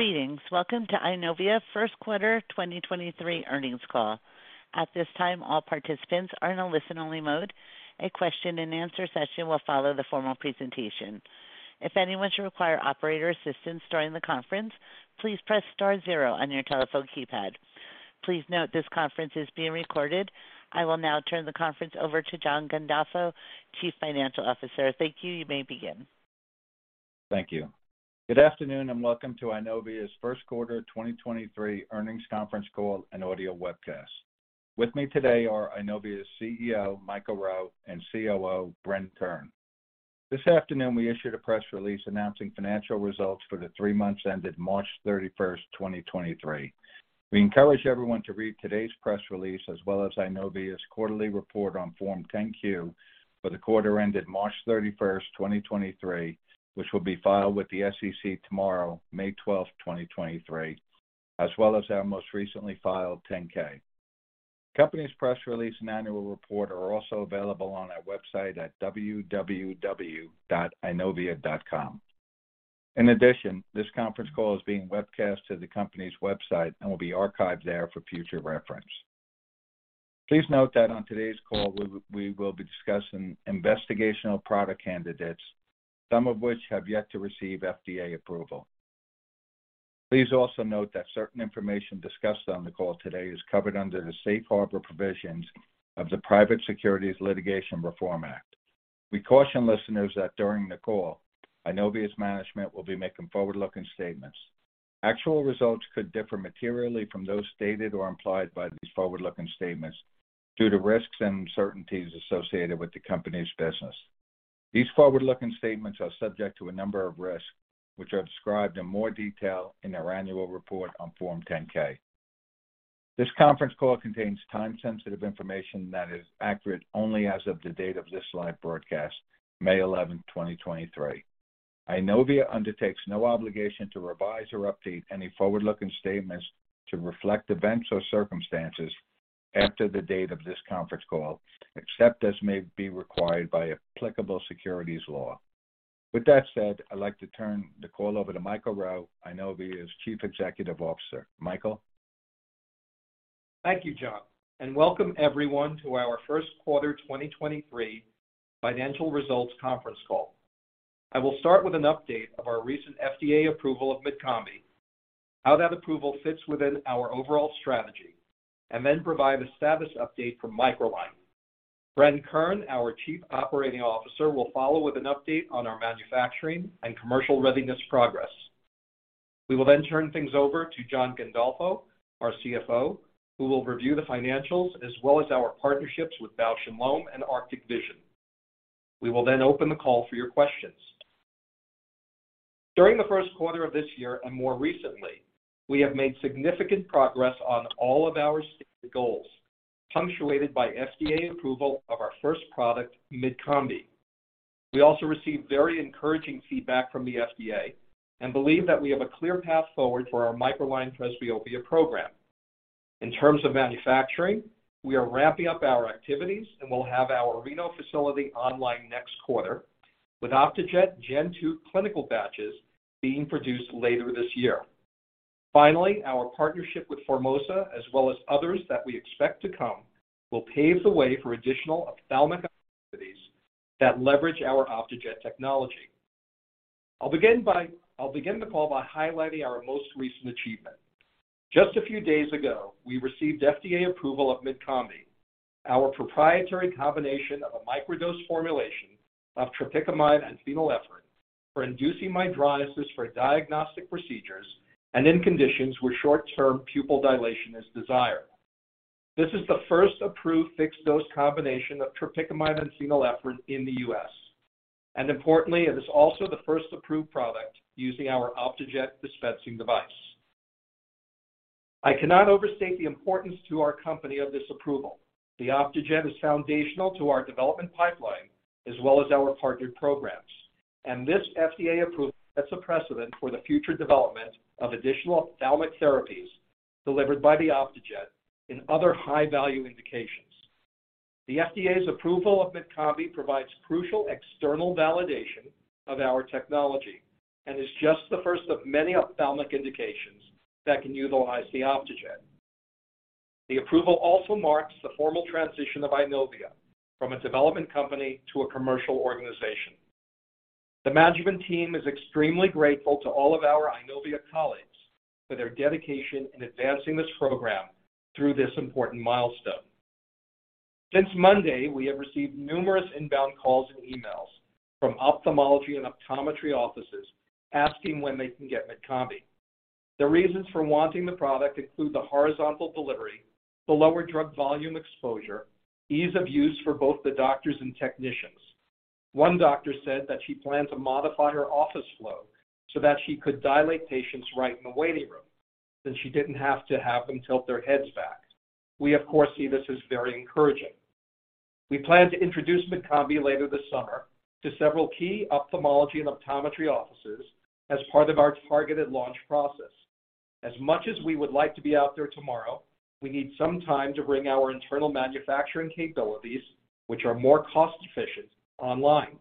Greetings. Welcome to Eyenovia, Inc. 1st quarter 2023 earnings call. At this time, all participants are in a listen-only mode. A question-and-answer session will follow the formal presentation. If anyone should require operator assistance during the conference, please press star zero on your telephone keypad. Please note this conference is being recorded. I will now turn the conference over to John Gandolfo, Chief Financial Officer. Thank you. You may begin. Thank you. Good afternoon, and welcome to Eyenovia's 1st-quarter 2023 earnings conference call and audio webcast. With me today are Eyenovia's CEO, Michael Rowe, and COO, Brent Kern. This afternoon, we issued a press release announcing financial results for the three months ended March 31st, 2023. We encourage everyone to read today's press release, as well as Eyenovia's quarterly report on Form 10-Q for the quarter ended March 31st, 2023, which will be filed with the SEC tomorrow, May 12th, 2023, as well as our most recently filed 10-K. The company's press release and annual report are also available on our website at www.eyenovia.com. In addition, this conference call is being webcast to the company's website and will be archived there for future reference. Please note that on today's call we will be discussing investigational product candidates, some of which have yet to receive FDA approval. Please also note that certain information discussed on the call today is covered under the safe harbor provisions of the Private Securities Litigation Reform Act. We caution listeners that during the call, Eyenovia's management will be making forward-looking statements. Actual results could differ materially from those stated or implied by these forward-looking statements due to risks and uncertainties associated with the company's business. These forward-looking statements are subject to a number of risks, which are described in more detail in our annual report on Form 10-K. This conference call contains time-sensitive information that is accurate only as of the date of this live broadcast, May 11, 2023. Eyenovia undertakes no obligation to revise or update any forward-looking statements to reflect events or circumstances after the date of this conference call, except as may be required by applicable securities law. With that said, I'd like to turn the call over to Michael Rowe, Eyenovia's Executive Officer. Michael. Thank you, John. Welcome everyone to our 1st-quarter 2023 financial results conference call. I will start with an update of our recent FDA approval of Mydcombi, how that approval fits within our overall strategy, and then provide a status update for MicroLine. Brent Kern, our Chief Operating Officer, will follow with an update on our manufacturing and commercial readiness progress. We will turn things over to John Gandolfo, our CFO, who will review the financials as well as our partnerships with Bausch + Lomb and Arctic Vision. We will open the call for your questions. During the 1st quarter of this year and more recently, we have made significant progress on all of our stated goals, punctuated by FDA approval of our first product, Mydcombi. We also received very encouraging feedback from the FDA and believe that we have a clear path forward for our MicroLine presbyopia program. In terms of manufacturing, we are ramping up our activities and will have our Reno facility online next quarter with Optejet Gen-2 clinical batches being produced later this year. Our partnership with Formosa as well as others that we expect to come, will pave the way for additional ophthalmic opportunities that leverage our Optejet technology. I'll begin the call by highlighting our most recent achievement. Just a few days ago, we received FDA approval of Mydcombi, our proprietary combination of a microdose formulation of tropicamide and phenylephrine for inducing mydriasis for diagnostic procedures and in conditions where short-term pupil dilation is desired. This is the first approved fixed-dose combination of tropicamide and phenylephrine in the U.S. Importantly, it is also the first approved product using our Optejet dispensing device. I cannot overstate the importance to our company of this approval. The Optejet is foundational to our development pipeline as well as our partnered programs, and this FDA approval sets a precedent for the future development of additional ophthalmic therapies delivered by the Optejet in other high-value indications. The FDA's approval of Mydcombi provides crucial external validation of our technology and is just the first of many ophthalmic indications that can utilize the Optejet. The approval also marks the formal transition of Eyenovia from a development company to a commercial organization. The management team is extremely grateful to all of our Eyenovia colleagues for their dedication in advancing this program through this important milestone. Since Monday, we have received numerous inbound calls and emails from ophthalmology and optometry offices asking when they can get Mydcombi. The reasons for wanting the product include the horizontal delivery, the lower drug volume exposure, ease of use for both the doctors and technicians. One doctor said that she planned to modify her office flow so that she could dilate patients right in the waiting room, and she didn't have to have them tilt their heads back. We of course, see this as very encouraging. We plan to introduce Mydcombi later this summer to several key ophthalmology and optometry offices as part of our targeted launch process. As much as we would like to be out there tomorrow, we need some time to bring our internal manufacturing capabilities, which are more cost efficient, online.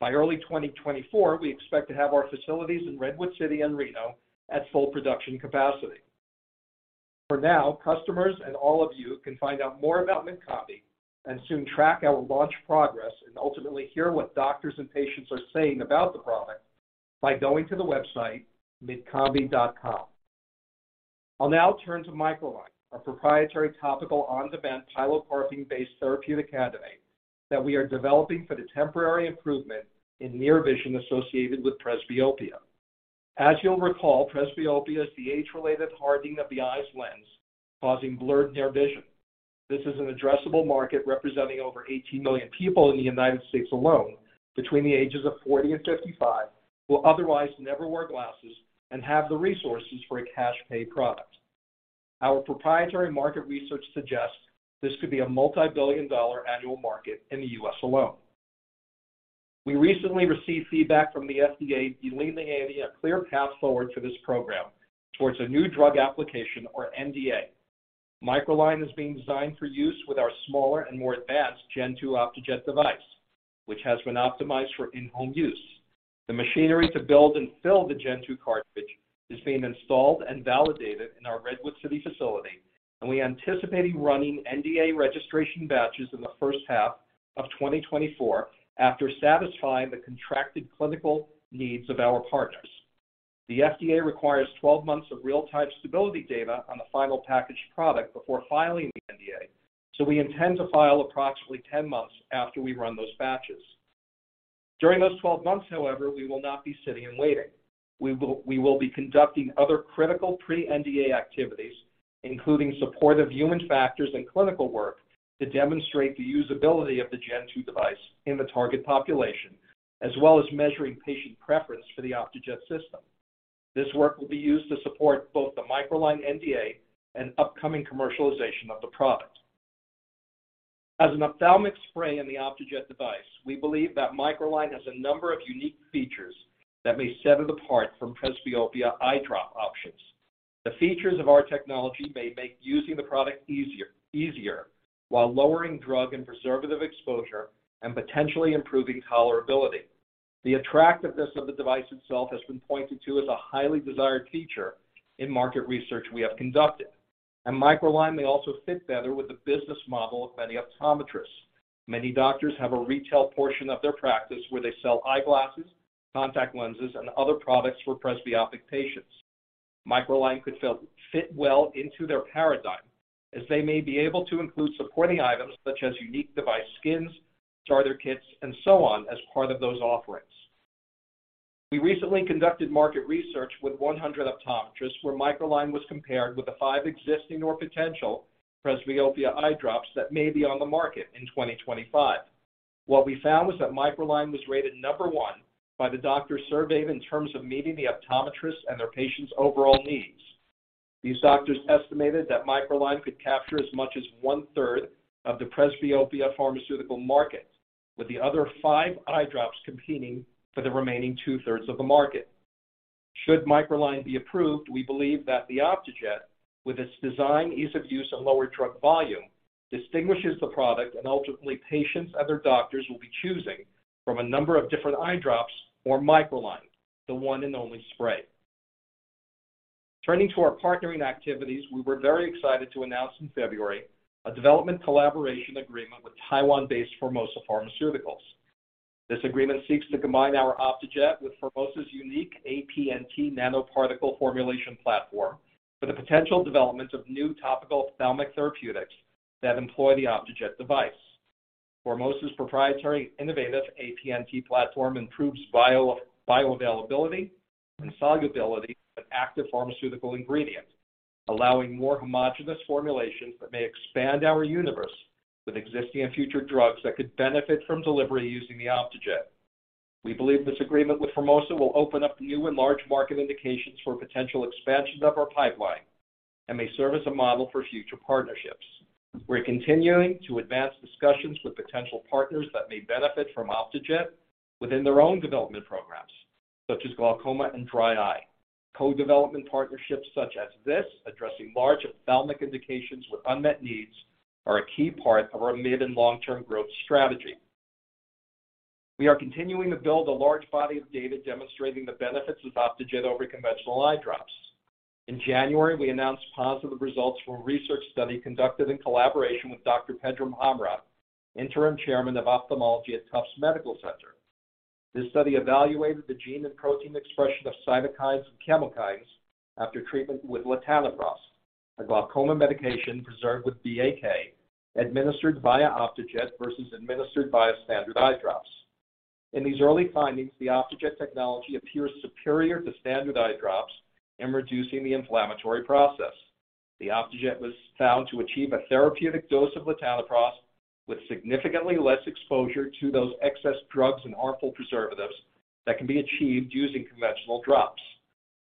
By early 2024, we expect to have our facilities in Redwood City and Reno at full production capacity. For now, customers and all of you can find out more about Mydcombi and soon track our launch progress and ultimately hear what doctors and patients are saying about the product by going to the website www.eyenovia.com. I'll now turn to MicroLine, our proprietary topical on-demand pilocarpine-based therapeutic candidate that we are developing for the temporary improvement in near vision associated with presbyopia. As you'll recall, presbyopia is the age-related hardening of the eye's lens, causing blurred near vision. This is an addressable market representing over 18 million people in the United States alone between the ages of 40 and 55 who will otherwise never wear glasses and have the resources for a cash pay product. Our proprietary market research suggests this could be a multi-billion dollar annual market in the US alone. We recently received feedback from the FDA delineating a clear path forward for this program towards a new drug application or NDA. MicroLine is being designed for use with our smaller and more advanced Gen-2 Optejet device, which has been optimized for in-home use. The machinery to build and fill the Gen-2 cartridge is being installed and validated in our Redwood City facility, and we anticipate running NDA registration batches in the first half of 2024 after satisfying the contracted clinical needs of our partners. The FDA requires 12 months of real-time stability data on the final packaged product before filing the NDA. We intend to file approximately 10 months after we run those batches. During those 12 months, however, we will not be sitting and waiting. We will be conducting other critical pre-NDA activities, including supportive human factors and clinical work to demonstrate the usability of the Gen-2 device in the target population, as well as measuring patient preference for the Optejet system. This work will be used to support both the MicroLine NDA and upcoming commercialization of the product. An ophthalmic spray in the Optejet device, we believe that MicroLine has a number of unique features that may set it apart from presbyopia eye drop options. The features of our technology may make using the product easier while lowering drug and preservative exposure and potentially improving tolerability. The attractiveness of the device itself has been pointed to as a highly desired feature in market research we have conducted. MicroLine may also fit better with the business model of many optometrists. Many doctors have a retail portion of their practice where they sell eyeglasses, contact lenses and other products for presbyopic patients. MicroLine could fit well into their paradigm as they may be able to include supporting items such as unique device skins, starter kits, and so on as part of those offerings. We recently conducted market research with 100 optometrists where MicroLine was compared with the five existing or potential presbyopia eye drops that may be on the market in 2025. What we found was that MicroLine was rated number one by the doctors surveyed in terms of meeting the optometrists and their patients' overall needs. These doctors estimated that MicroLine could capture as much as 1/3 of the presbyopia pharmaceutical market, with the other five eye drops competing for the remaining 2/3 of the market. Should MicroLine be approved, we believe that the Optejet, with its design, ease of use and lower drug volume, distinguishes the product and ultimately patients and their doctors will be choosing from a number of different eye drops or MicroLine, the one and only spray. Turning to our partnering activities, we were very excited to announce in February a development collaboration agreement with Taiwan-based Formosa Pharmaceuticals. This agreement seeks to combine our Optejet with Formosa's unique APNT nanoparticle formulation platform for the potential development of new topical ophthalmic therapeutics that employ the Optejet device. Formosa's proprietary innovative APNT platform improves bioavailability and solubility of active pharmaceutical ingredients, allowing more homogenous formulations that may expand our universe with existing and future drugs that could benefit from delivery using the Optejet. We believe this agreement with Formosa will open up new and large market indications for potential expansion of our pipeline and may serve as a model for future partnerships. We're continuing to advance discussions with potential partners that may benefit from Optejet within their own development programs, such as glaucoma and dry eye. Co-development partnerships such as this, addressing large ophthalmic indications with unmet needs, are a key part of our mid and long-term growth strategy. We are continuing to build a large body of data demonstrating the benefits of Optejet over conventional eye drops. In January, we announced positive results from a research study conducted in collaboration with Dr. Pedram Hamrah, interim chairman of ophthalmology at Tufts Medical Center. This study evaluated the gene and protein expression of Cytokines and Chemokines after treatment with latanoprost, a glaucoma medication preserved with BAK, administered via Optejet versus administered via standard eye drops. In these early findings, the Optejet technology appears superior to standard eye drops in reducing the inflammatory process. The Optejet was found to achieve a therapeutic dose of latanoprost with significantly less exposure to those excess drugs and harmful preservatives that can be achieved using conventional drops.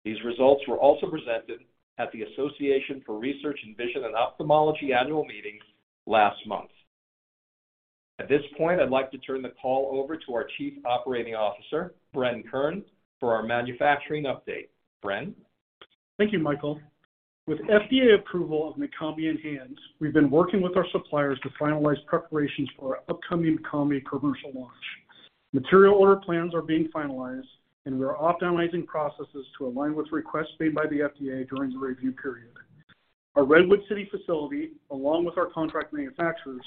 These results were also presented at the Association for Research in Vision and Ophthalmology annual meeting last month. At this point, I'd like to turn the call over to our Chief Operating Officer, Brent Kern, for our manufacturing update. Brent? Thank you, Michael. With FDA approval of Mydcombi in hand, we've been working with our suppliers to finalize preparations for our upcoming Mydcombi commercial launch. Material order plans are being finalized. We are optimizing processes to align with requests made by the FDA during the review period. Our Redwood City facility, along with our contract manufacturers,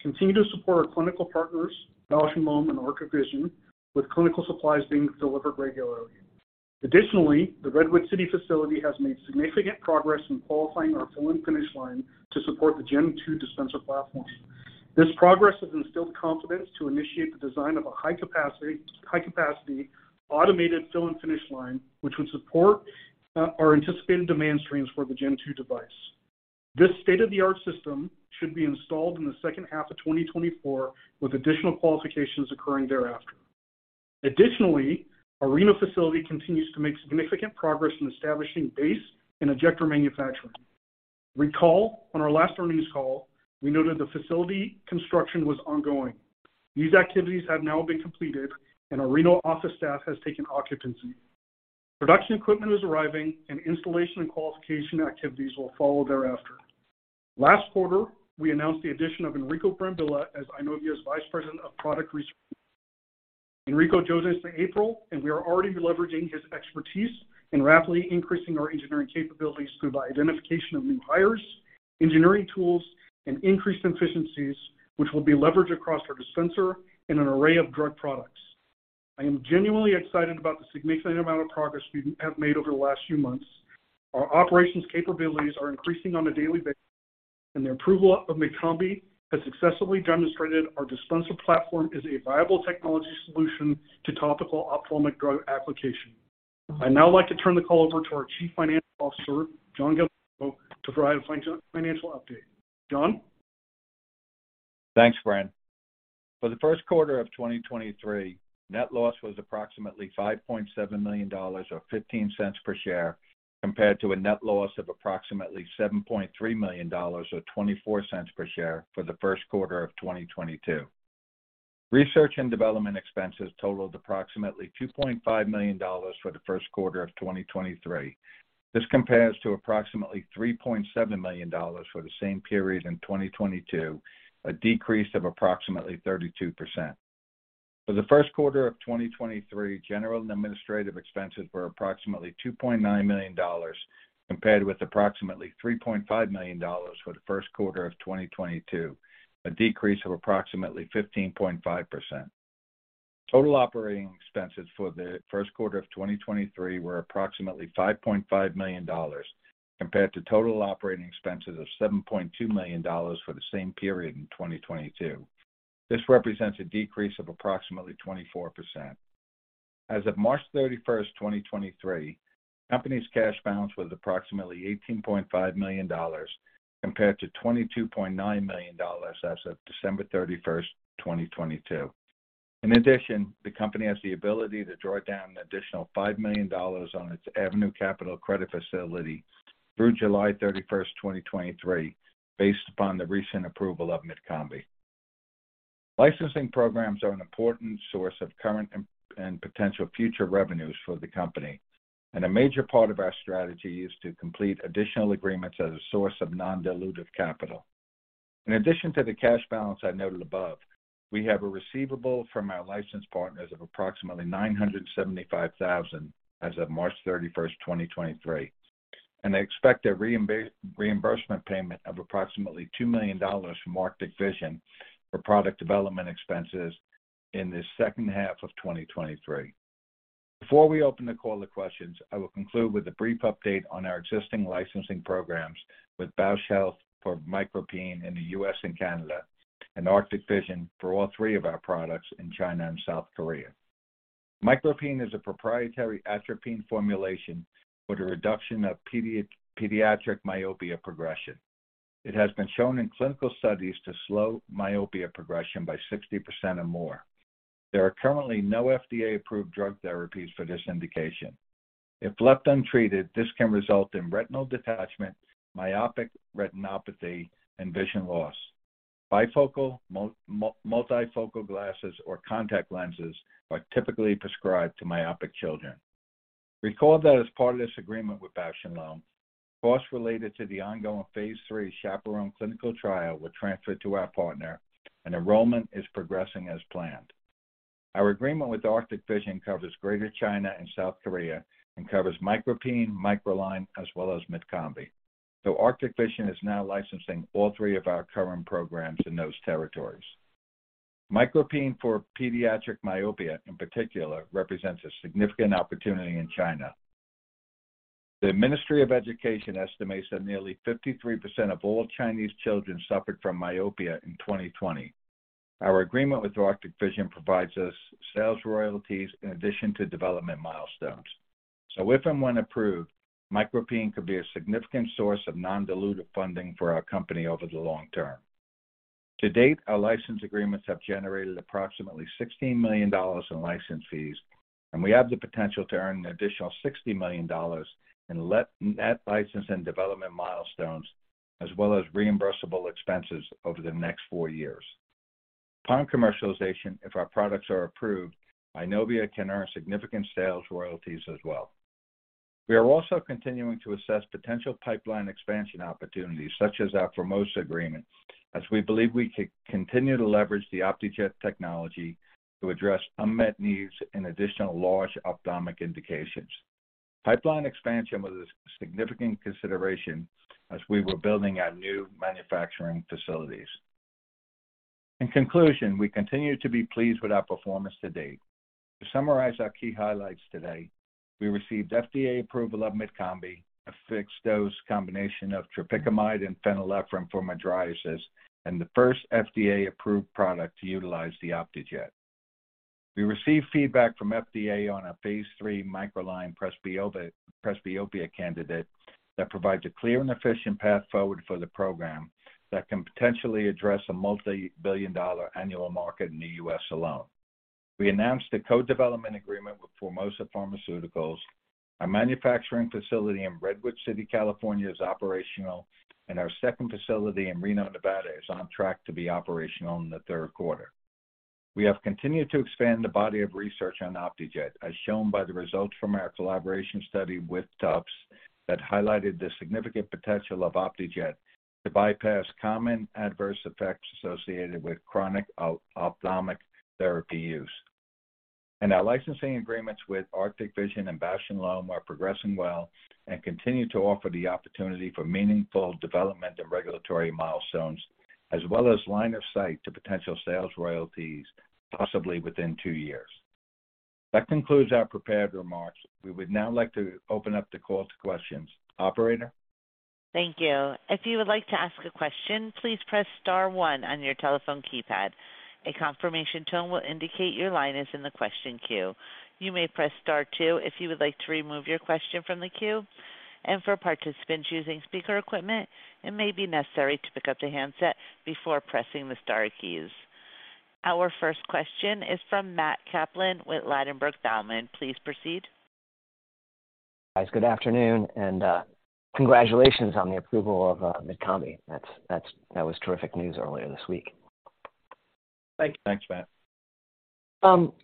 continue to support our clinical partners, Bausch + Lomb and Arctic Vision, with clinical supplies being delivered regularly. Additionally, the Redwood City facility has made significant progress in qualifying our fill-and-finish line to support the Gen-2 dispenser platform. This progress has instilled confidence to initiate the design of a high capacity, automated fill-and-finish line, which would support our anticipated demand streams for the Gen-2 device. This state-of-the-art system should be installed in the second half of 2024, with additional qualifications occurring thereafter. Additionally, our Reno facility continues to make significant progress in establishing base and ejector manufacturing. Recall on our last earnings call, we noted the facility construction was ongoing. These activities have now been completed, and our Reno office staff has taken occupancy. Production equipment is arriving, and installation and qualification activities will follow thereafter. Last quarter, we announced the addition of Enrico Brembilla as Eyenovia's Vice President of Product Research. Enrico joined us in April, and we are already leveraging his expertise in rapidly increasing our engineering capabilities through the identification of new hires, engineering tools, and increased efficiencies, which will be leveraged across our dispenser and an array of drug products. I am genuinely excited about the significant amount of progress we have made over the last few months. Our operations capabilities are increasing on a daily basis, and the approval of Mydcombi has successfully demonstrated our dispenser platform is a viable technology solution to topical ophthalmic drug application. I'd now like to turn the call over to our Chief Financial Officer, John Gandolfo, to provide a financial update. John? Thanks, Brent. For the 1st quarter of 2023, net loss was approximately $5.7 million or $0.15 per share, compared to a net loss of approximately $7.3 million or $0.24 per share for the 1st quarter of 2022. Research and development expenses totaled approximately $2.5 million for the 1st quarter of 2023. This compares to approximately $3.7 million for the same period in 2022, a decrease of approximately 32%. For the 1st quarter of 2023, general and administrative expenses were approximately $2.9 million, compared with approximately $3.5 million for the 1st quarter of 2022, a decrease of approximately 15.5%. Total operating expenses for the 1st quarter of 2023 were approximately $5.5 million, compared to total operating expenses of $7.2 million for the same period in 2022. This represents a decrease of approximately 24%. As of March 31st, 2023, the company's cash balance was approximately $18.5 million compared to $22.9 million as of December 31st, 2022. In addition, the company has the ability to draw down an additional $5 million on its Avenue Capital credit facility through July 31st, 2023, based upon the recent approval of Mydcombi. Licensing programs are an important source of current and potential future revenues for the company, and a major part of our strategy is to complete additional agreements as a source of non-dilutive capital. In addition to the cash balance I noted above, we have a receivable from our license partners of approximately $975,000 as of March 31, 2023, and they expect a reimbursement payment of approximately $2 million from Arctic Vision for product development expenses in the second half of 2023. Before we open the call to questions, I will conclude with a brief update on our existing licensing programs with Bausch Health for MicroPine in the U.S. and Canada and Arctic Vision for all three of our products in China and South Korea. MicroPine is a proprietary atropine formulation for the reduction of pediatric myopia progression. It has been shown in clinical studies to slow myopia progression by 60% or more. There are currently no FDA-approved drug therapies for this indication. If left untreated, this can result in retinal detachment, myopic retinopathy, and vision loss. Bifocal, multifocal glasses or contact lenses are typically prescribed to myopic children. Recall that as part of this agreement with Bausch + Lomb, costs related to the ongoing phase III CHAPERONE clinical trial were transferred to our partner and enrollment is progressing as planned. Our agreement with Arctic Vision covers Greater China and South Korea and covers MicroPine, MicroLine, as well as Mydcombi. Arctic Vision is now licensing all three of our current programs in those territories. MicroPine for pediatric myopia, in particular, represents a significant opportunity in China. The Ministry of Education estimates that nearly 53% of all Chinese children suffered from myopia in 2020. Our agreement with Arctic Vision provides us sales royalties in addition to development milestones. If and when approved, MicroPine could be a significant source of non-dilutive funding for our company over the long term. To date, our license agreements have generated approximately $16 million in license fees, and we have the potential to earn an additional $60 million in net license and development milestones as well as reimbursable expenses over the next four years. Upon commercialization, if our products are approved, Eyenovia can earn significant sales royalties as well. We are also continuing to assess potential pipeline expansion opportunities such as our Formosa agreement, as we believe we could continue to leverage the Optejet technology to address unmet needs in additional large ophthalmic indications. Pipeline expansion was a significant consideration as we were building our new manufacturing facilities. In conclusion, we continue to be pleased with our performance to date. To summarize our key highlights today, we received FDA approval of Mydcombi, a fixed-dose combination of tropicamide and phenylephrine for mydriasis, and the first FDA-approved product to utilize the Optejet. We received feedback from FDA on our phase III MicroLine presbyopia candidate that provides a clear and efficient path forward for the program that can potentially address a multi-billion dollar annual market in the U.S. alone. We announced a co-development agreement with Formosa Pharmaceuticals. Our manufacturing facility in Redwood City, California, is operational, and our second facility in Reno, Nevada, is on track to be operational in the 3rd quarter. We have continued to expand the body of research on Optejet, as shown by the results from our collaboration study with Tufts that highlighted the significant potential of Optejet to bypass common adverse effects associated with chronic ophthalmic therapy use. Our licensing agreements with Arctic Vision and Bausch + Lomb are progressing well and continue to offer the opportunity for meaningful development and regulatory milestones as well as line of sight to potential sales royalties, possibly within two years. That concludes our prepared remarks. We would now like to open up the call to questions. Operator? Thank you. If you would like to ask a question, please press star one on your telephone keypad. A confirmation tone will indicate your line is in the question queue. You may press star two if you would like to remove your question from the queue. For participants using speaker equipment, it may be necessary to pick up the handset before pressing the star keys. Our first question is from Matt Kaplan with Ladenburg Thalmann. Please proceed. Guys, good afternoon and, congratulations on the approval of Mydcombi. That was terrific news earlier this week. Thank you. Thanks, Matt.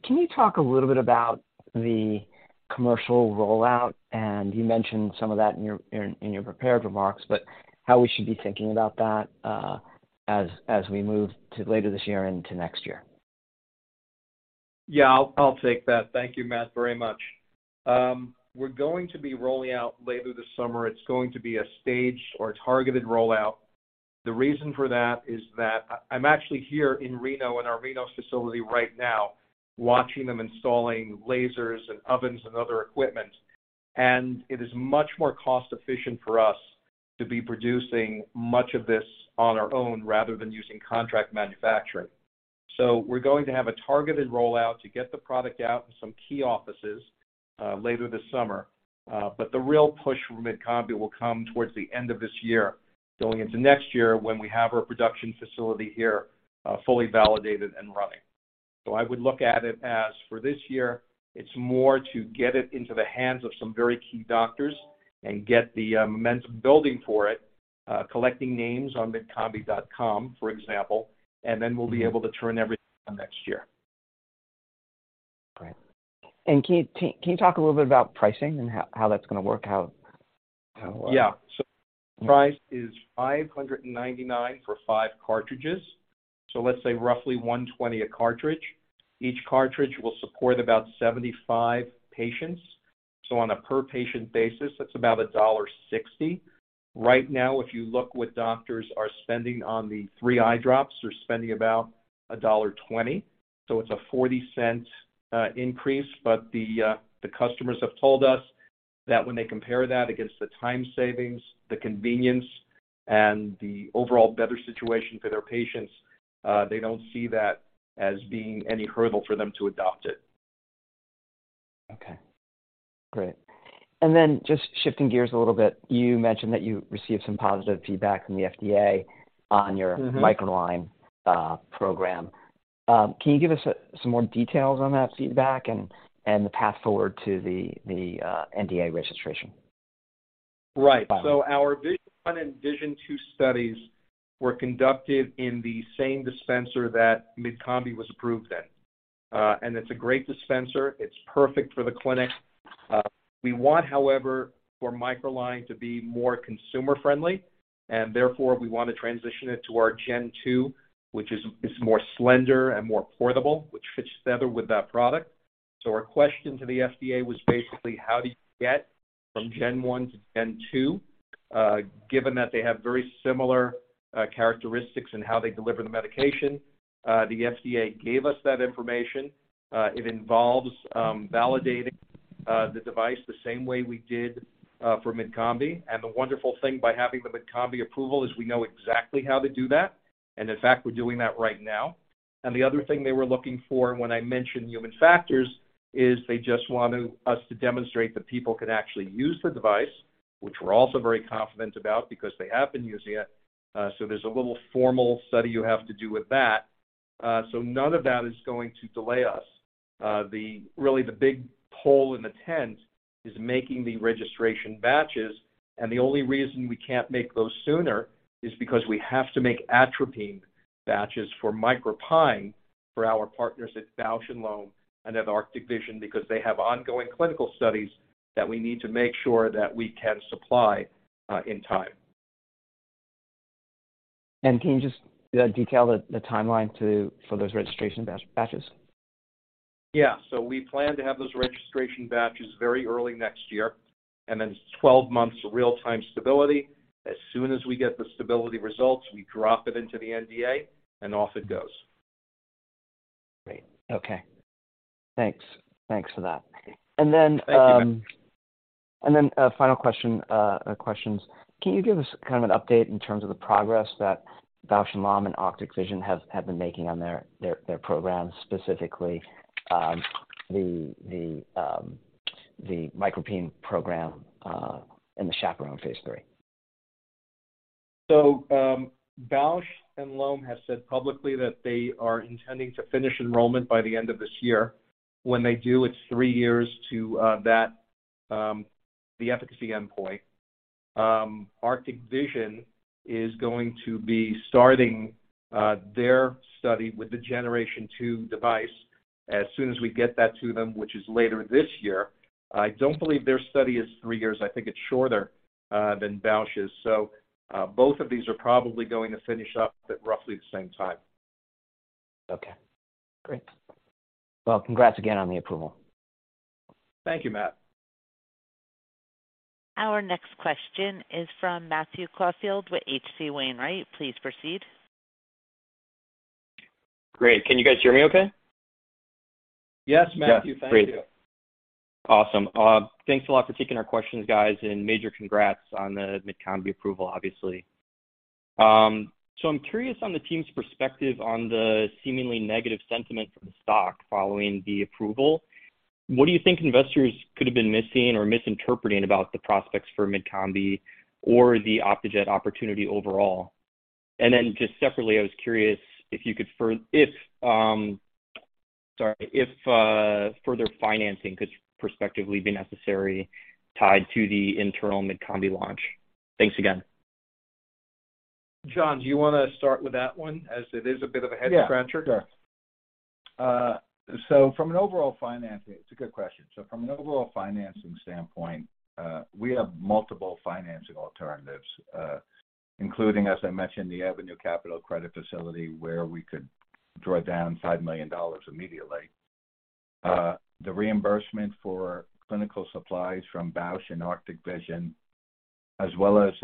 Can you talk a little bit about the commercial rollout? You mentioned some of that in your prepared remarks, but how we should be thinking about that as we move to later this year into next year? Yeah, I'll take that. Thank you, Matt, very much. We're going to be rolling out later this summer. It's going to be a staged or targeted rollout. The reason for that is that I'm actually here in Reno, in our Reno facility right now, watching them installing lasers and ovens and other equipment. It is much more cost efficient for us to be producing much of this on our own rather than using contract manufacturing. We're going to have a targeted rollout to get the product out in some key offices later this summer. The real push for Mydcombi will come towards the end of this year, going into next year when we have our production facility here fully validated and running. I would look at it as for this year, it's more to get it into the hands of some very key doctors and get the momentum building for it, collecting names on Mydcombi.com, for example. Then we'll be able to turn everything next year. Great. Can you talk a little bit about pricing and how that's gonna work? How. Yeah. Price is $599 for five cartridges. Let's say roughly $120 a cartridge. Each cartridge will support about 75 patients. On a per-patient basis, that's about $1.60. Right now, if you look what doctors are spending on the three eye drops, they're spending about $1.20. It's a $0.40 increase. The customers have told us that when they compare that against the time savings, the convenience, and the overall better situation for their patients, they don't see that as being any hurdle for them to adopt it. Okay, great. Then just shifting gears a little bit, you mentioned that you received some positive feedback from the FDA on your- Mm-hmm. MicroLine program. Can you give us some more details on that feedback and the path forward to the NDA registration? Right. Our VISION-1 and VISION-2 studies were conducted in the same dispenser that Mydcombi was approved in. And it's a great dispenser. It's perfect for the clinic. We want, however, for MicroLine to be more consumer-friendly, and therefore we want to transition it to our Gen-2, which is more slender and more portable, which fits better with that product. Our question to the FDA was basically, how do you get from Gen-1 to Gen-2, given that they have very similar characteristics in how they deliver the medication? The FDA gave us that information. It involves validating the device the same way we did for Mydcombi. The wonderful thing by having the Mydcombi approval is we know exactly how to do that. In fact, we're doing that right now. The other thing they were looking for when I mention human factors is they just wanted us to demonstrate that people can actually use the device, which we're also very confident about because they have been using it. There's a little formal study you have to do with that. None of that is going to delay us. The really the big hole in the tent is making the registration batches, the only reason we can't make those sooner is because we have to make atropine batches for MicroPine for our partners at Bausch + Lomb and at Arctic Vision, because they have ongoing clinical studies that we need to make sure that we can supply, in time. Can you just detail the timeline for those registration batches? Yeah. We plan to have those registration batches very early next year, and then 12 months real-time stability. As soon as we get the stability results, we drop it into the NDA, and off it goes. Great. Okay. Thanks. Thanks for that. Thank you, Matt. A final question, questions. Can you give us kind of an update in terms of the progress that Bausch + Lomb and Arctic Vision have been making on their programs, specifically, the MicroPine program, and the CHAPERONE phase III? Bausch + Lomb has said publicly that they are intending to finish enrollment by the end of this year. When they do, it's three years to that the efficacy endpoint. Arctic Vision is going to be starting their study with the generation two device as soon as we get that to them, which is later this year. I don't believe their study is three years. I think it's shorter than Bausch's. Both of these are probably going to finish up at roughly the same time. Okay, great. Well, congrats again on the approval. Thank you, Matt. Our next question is from Matthew Caufield with H.C. Wainwright. Please proceed. Great. Can you guys hear me okay? Yes, Matthew. Thank you. Yes. Great. Awesome. Thanks a lot for taking our questions, guys, and major congrats on the Mydcombi approval, obviously. I'm curious on the team's perspective on the seemingly negative sentiment for the stock following the approval. What do you think investors could have been missing or misinterpreting about the prospects for Mydcombi or the Optejet opportunity overall? Just separately, I was curious if you could if, sorry, if further financing could prospectively be necessary tied to the internal Mydcombi launch. Thanks again. John, do you wanna start with that one as it is a bit of a head-scratcher? Yeah, sure. From an overall financing. It's a good question. From an overall financing standpoint, we have multiple financing alternatives, including, as I mentioned, the Avenue Capital credit facility, where we could draw down $5 million immediately. The reimbursement for clinical supplies from Bausch and Arctic Vision, as well as,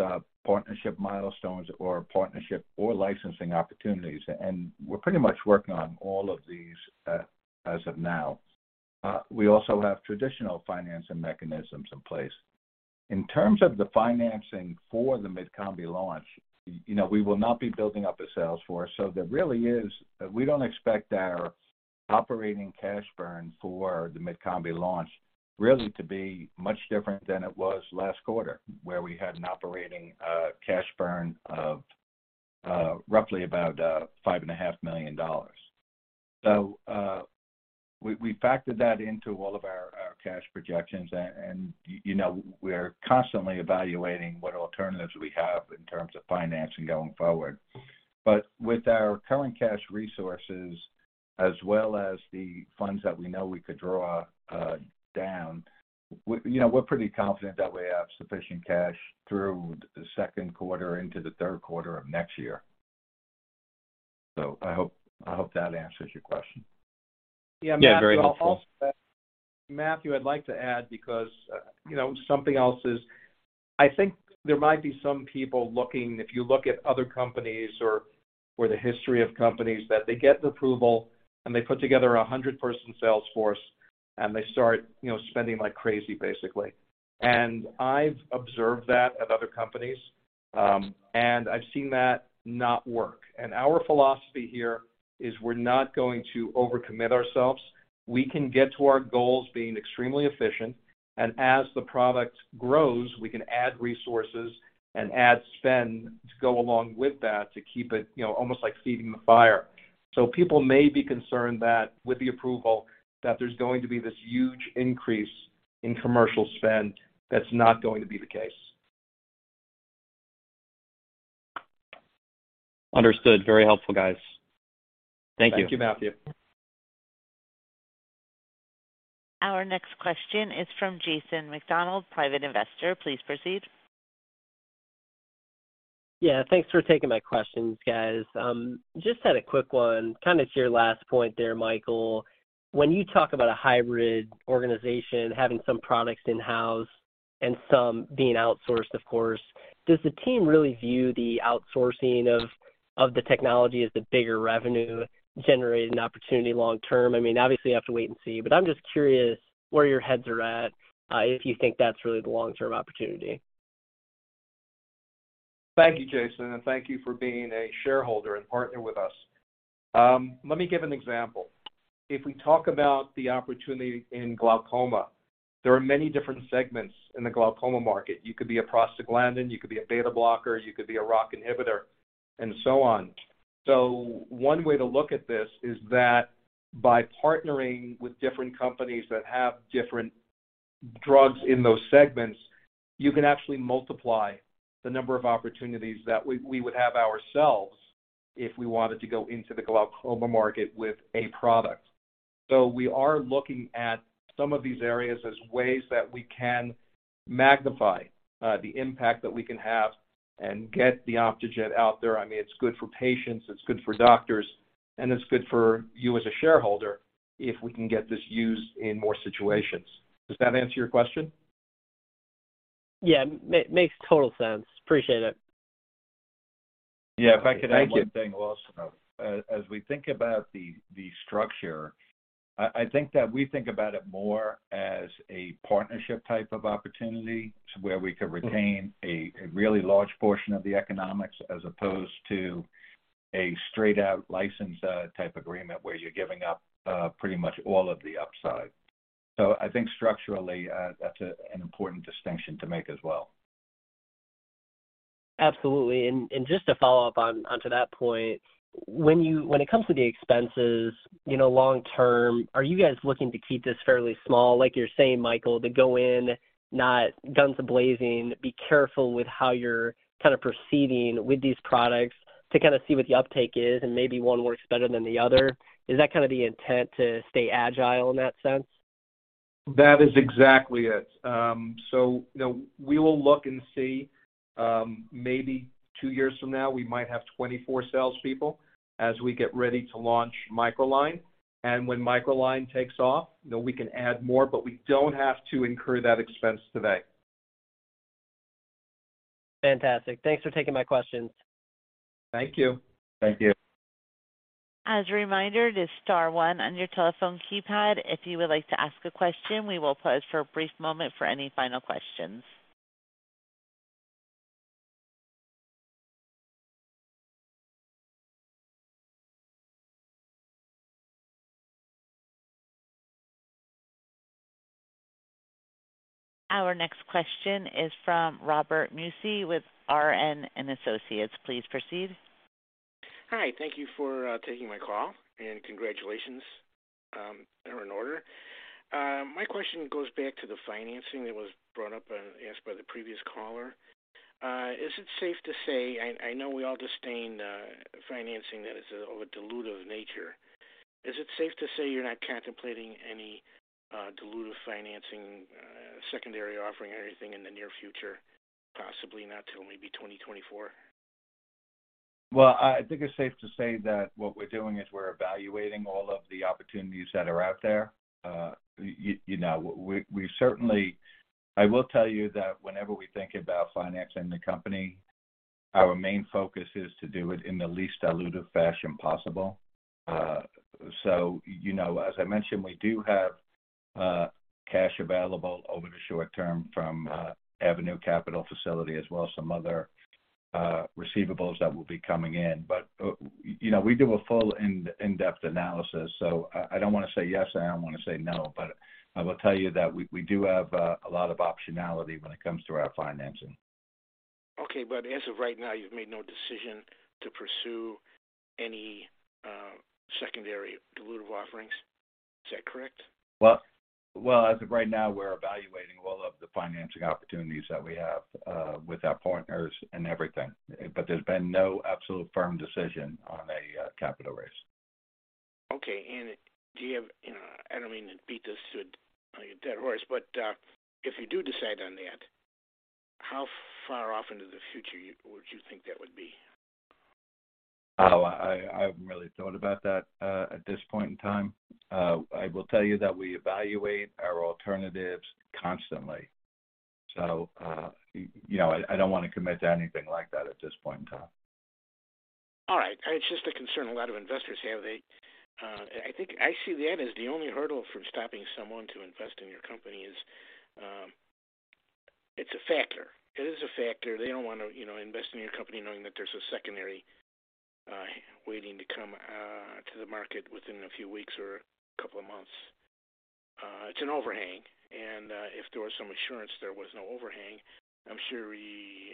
partnership milestones or licensing opportunities. We're pretty much working on all of these as of now. We also have traditional financing mechanisms in place. In terms of the financing for the Mydcombi launch, you know, we will not be building up a sales force. We don't expect our operating cash burn for the Mydcombi launch really to be much different than it was last quarter, where we had an operating cash burn of roughly about five and a half million dollars. We factored that into all of our cash projections. You know, we are constantly evaluating what alternatives we have in terms of financing going forward. With our current cash resources as well as the funds that we know we could draw down, you know, we're pretty confident that we have sufficient cash through the 2nd quarter into the 3rd quarter of next year. I hope that answers your question. Yeah, very helpful. Yeah, Matthew. I'll also add. Matthew, I'd like to add because, you know, something else is I think there might be some people looking, if you look at other companies or the history of companies, that they get an approval, and they put together a 100-person sales force, and they start, you know, spending like crazy, basically. I've observed that at other companies, and I've seen that not work. Our philosophy here is we're not going to overcommit ourselves. We can get to our goals being extremely efficient, and as the product grows, we can add resources and add spend to go along with that to keep it, you know, almost like feeding the fire. People may be concerned that with the approval, that there's going to be this huge increase in commercial spend. That's not going to be the case. Understood. Very helpful, guys. Thank you. Thank you, Matthew. Our next question is from Jason McDonald, private investor. Please proceed. Thanks for taking my questions, guys. Just had a quick one, kind of to your last point there, Michael. When you talk about a hybrid organization having some products in-house and some being outsourced, of course, does the team really view the outsourcing of the technology as the bigger revenue-generating opportunity long term? I mean, obviously you have to wait and see, but I'm just curious where your heads are at, if you think that's really the long-term opportunity? Thank you, Jason, and thank you for being a shareholder and partner with us. Let me give an example. If we talk about the opportunity in glaucoma. There are many different segments in the glaucoma market. You could be a prostaglandin, you could be a beta blocker, you could be a ROCK inhibitor, and so on. One way to look at this is that by partnering with different companies that have different drugs in those segments, you can actually multiply the number of opportunities that we would have ourselves if we wanted to go into the glaucoma market with a product. We are looking at some of these areas as ways that we can magnify the impact that we can have and get the Optejet out there. I mean, it's good for patients, it's good for doctors, and it's good for you as a shareholder if we can get this used in more situations. Does that answer your question? Yeah. makes total sense. Appreciate it. Yeah. If I could add one thing, Wilson. As we think about the structure, I think that we think about it more as a partnership type of opportunity where we could retain a really large portion of the economics as opposed to a straight-out license type agreement where you're giving up pretty much all of the upside. I think structurally, that's an important distinction to make as well. Absolutely. Just to follow up onto that point, when it comes to the expenses, you know, long term, are you guys looking to keep this fairly small, like you're saying, Michael, to go in not guns a-blazing, be careful with how you're kind of proceeding with these products to kind of see what the uptake is, and maybe one works better than the other? Is that kind of the intent to stay agile in that sense? That is exactly it. you know, we will look and see, maybe two years from now, we might have 24 salespeople as we get ready to launch MicroLine. When MicroLine takes off, you know, we can add more, but we don't have to incur that expense today. Fantastic. Thanks for taking my questions. Thank you. Thank you. As a reminder, it is star one on your telephone keypad, if you would like to ask a question. We will pause for a brief moment for any final questions. Our next question is from Robert LeBoyer with Noble Capital Markets. Please proceed. Hi. Thank you for taking my call. Congratulations are in order. My question goes back to the financing that was brought up and asked by the previous caller. Is it safe to say... I know we all disdain financing that is of a dilutive nature. Is it safe to say you're not contemplating any dilutive financing, secondary offering or anything in the near future, possibly not till maybe 2024? Well, I think it's safe to say that what we're doing is we're evaluating all of the opportunities that are out there. You know, we certainly, I will tell you that whenever we think about financing the company, our main focus is to do it in the least dilutive fashion possible. You know, as I mentioned, we do have cash available over the short term from Avenue Capital facility as well as some other receivables that will be coming in. You know, we do a full in-depth analysis. I don't wanna say yes, and I don't wanna say no, but I will tell you that we do have a lot of optionality when it comes to our financing. Okay. As of right now, you've made no decision to pursue any secondary dilutive offerings. Is that correct? Well, as of right now, we're evaluating all of the financing opportunities that we have with our partners and everything. There's been no absolute firm decision on a capital raise. Okay. You know, I don't mean to beat this to a, like, a dead horse, if you do decide on that, how far off into the future would you think that would be? I haven't really thought about that at this point in time. I will tell you that we evaluate our alternatives constantly. You know, I don't wanna commit to anything like that at this point in time. All right. It's just a concern a lot of investors have. They, I think I see that as the only hurdle from stopping someone to invest in your company is, it's a factor. It is a factor. They don't wanna, you know, invest in your company knowing that there's a secondary waiting to come to the market within a few weeks or a couple of months. It's an overhang, if there was some assurance there was no overhang, I'm sure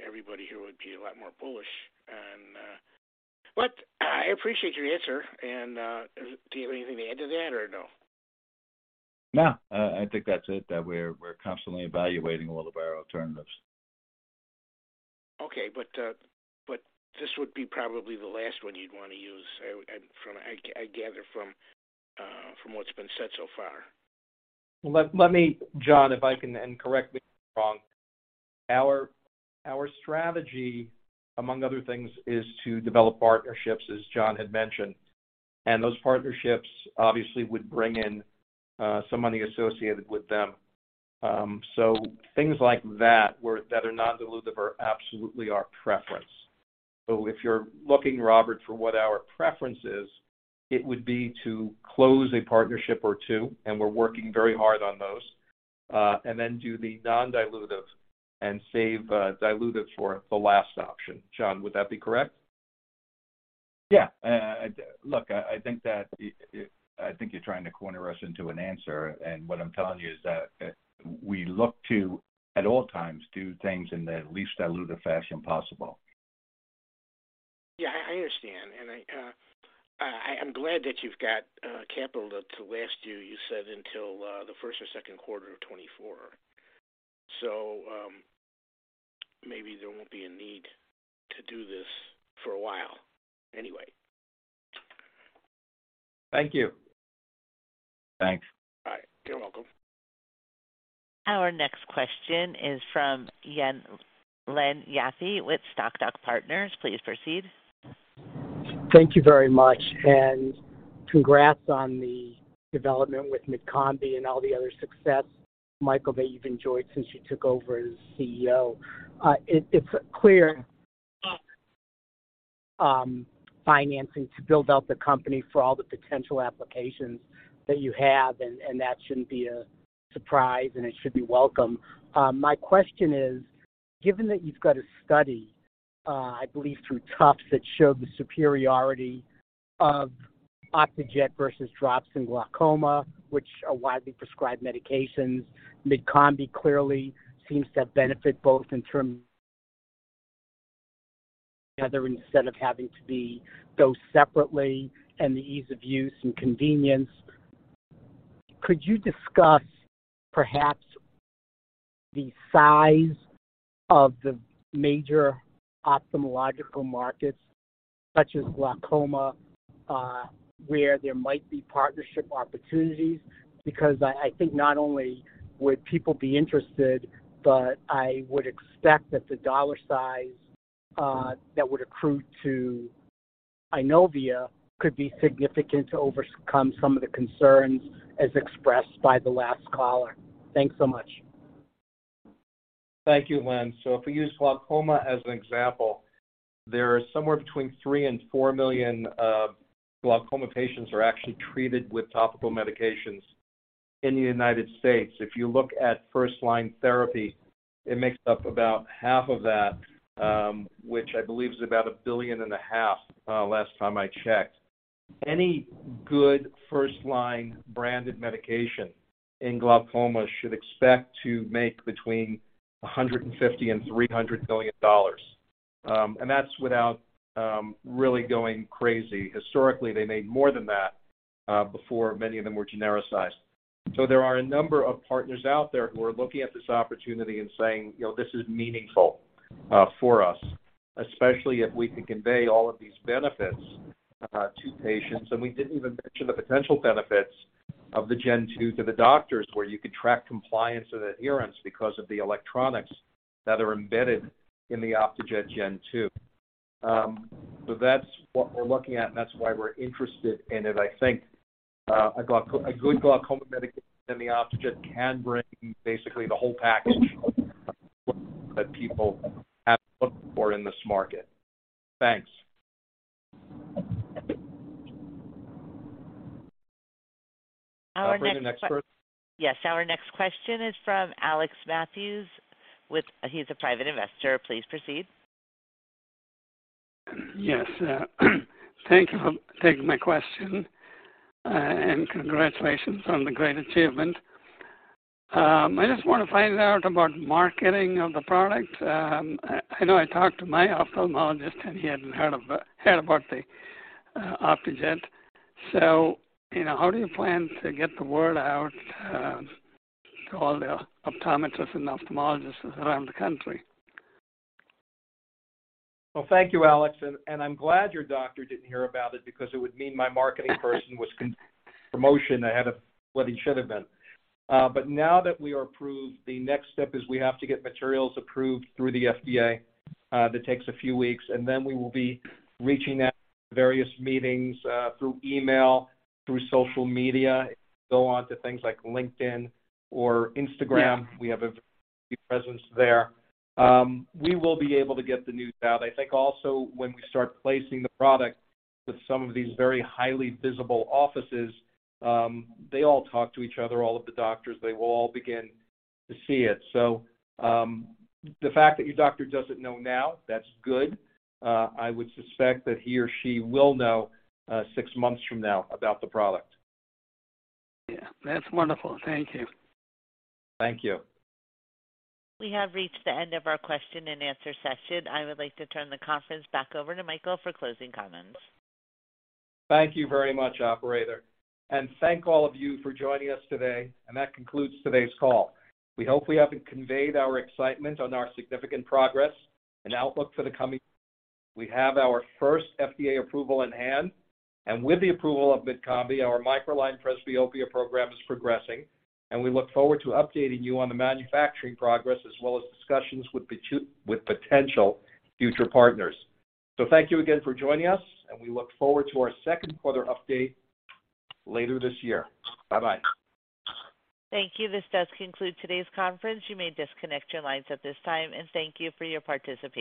everybody here would be a lot more bullish. I appreciate your answer and, do you have anything to add to that or no? No. I think that's it, that we're constantly evaluating all of our alternatives. Okay. But this would be probably the last one you'd wanna use, I gather from what's been said so far. Let me, John, if I can, and correct me if I'm wrong. Our strategy, among other things, is to develop partnerships, as John had mentioned. Those partnerships obviously would bring in some money associated with them. Things like that that are non-dilutive are absolutely our preference. If you're looking, Robert, for what our preference is, it would be to close a partnership or two, and we're working very hard on those, and then do the non-dilutive and save dilutive for the last option. John, would that be correct? Yeah. Look, I think that, I think you're trying to corner us into an answer. What I'm telling you is that we look to, at all times, do things in the least dilutive fashion possible. Yeah, I understand. I'm glad that you've got capital to last you said until the first or 2nd quarter of 2024. Maybe there won't be a need to do this for a while anyway. Thank you. Thanks. All right. You're welcome. Our next question is from Leonard Yaffe with Stoc*Doc Partners. Please proceed. Thank you very much. Congrats on the development with Mydcombi and all the other success, Michael, that you've enjoyed since you took over as CEO. It's clear, financing to build out the company for all the potential applications that you have, and that shouldn't be a surprise. It should be welcome. My question is, given that you've got a study, I believe through Tufts, that showed the superiority of Optejet versus drops in glaucoma, which are widely prescribed medications, Mydcombi clearly seems to have benefit both in terms together instead of having to be dosed separately and the ease of use and convenience. Could you discuss perhaps the size of the major ophthalmological markets such as glaucoma, where there might be partnership opportunities? I think not only would people be interested, but I would expect that the U.S. dollar size that would accrue to Eyenovia could be significant to overcome some of the concerns as expressed by the last caller. Thanks so much. Thank you, Leonard. If we use glaucoma as an example, there are somewhere between three and four million glaucoma patients actually treated with topical medications in the United States. If you look at first-line therapy, it makes up about half of that, which I believe is about a billion and a half dollars last time I checked. Any good first-line branded medication in glaucoma should expect to make between $150 million and $300 million, that's without really going crazy. Historically, they made more than that before many of them were genericized. There are a number of partners out there who are looking at this opportunity and saying, "You know, this is meaningful for us, especially if we can convey all of these benefits to patients." We didn't even mention the potential benefits of the Gen-2 to the doctors, where you could track compliance and adherence because of the electronics that are embedded in the Optejet Gen-2. That's what we're looking at, and that's why we're interested in it. I think a good glaucoma medication in the Optejet can bring basically the whole package that people have looked for in this market. Thanks. Our next que- Operator, next question. Yes. Our next question is from Alex Matthews with--. He's a Private Investor. Please proceed. Yes. Thank you for taking my question, and congratulations on the great achievement. I just want to find out about marketing of the product. I know I talked to my ophthalmologist, and he hadn't heard about the Optejet. You know, how do you plan to get the word out to all the optometrists and ophthalmologists around the country? Well, thank you, Alex. I'm glad your doctor didn't hear about it because it would mean my marketing person was promotion ahead of what he should have been. Now that we are approved, the next step is we have to get materials approved through the FDA, that takes a few weeks, and then we will be reaching out to various meetings, through email, through social media. If you go onto things like LinkedIn or Instagram- Yeah. We have a presence there. We will be able to get the news out. I think also when we start placing the product with some of these very highly visible offices, they all talk to each other, all of the doctors, they will all begin to see it. The fact that your doctor doesn't know now, that's good. I would suspect that he or she will know, six months from now about the product. Yeah. That's wonderful. Thank you. Thank you. We have reached the end of our question and answer session. I would like to turn the conference back over to Michael for closing comments. Thank you very much, operator. Thank all of you for joining us today. That concludes today's call. We hope we haven't conveyed our excitement on our significant progress and outlook for the coming. We have our first FDA approval in hand. With the approval of Mydcombi, our MicroLine presbyopia program is progressing, and we look forward to updating you on the manufacturing progress as well as discussions with potential future partners. Thank you again for joining us, and we look forward to our 2nd quarter update later this year. Bye-bye. Thank you. This does conclude today's conference. You may disconnect your lines at this time, and thank you for your participation.